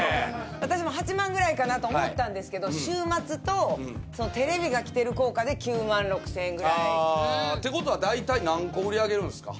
私も８万ぐらいかなと思ったんですけど週末とテレビが来てる効果で９万６，０００円ぐらい。ってことはだいたい何個売り上げるんすか？